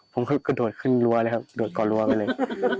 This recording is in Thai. ผมก็กระโดดขึ้นรั้วเลยครับโดดก่อรั้วไปเลย